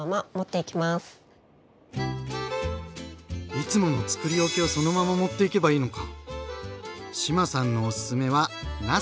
いつものつくり置きをそのまま持っていけばいいのか。